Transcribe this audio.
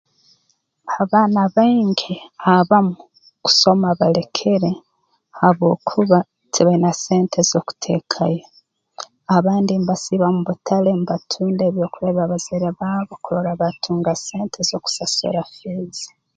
Abaana baingi abamu kusoma balekere habwokuba tibaine sente z'okuteekayo abandi mbasiiba mu butale mbatunda ebyokulya bya bazaire baabo kurora baatunga sente z'okusasura fiizi